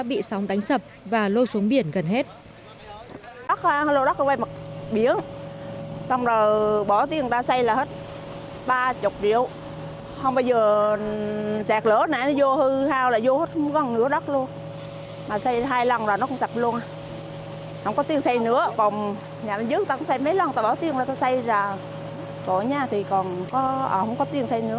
bị sống đánh sập và lôi xuống biển gần hết chủ tịch ủy ban nhân dân xã nhơn hải trần đồng linh cho biết xã cũng đang bắt đầu xây nửa đất và lôi xuống biển rất gần hết